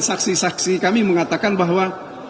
saksi saksi kami mengatakan bahwa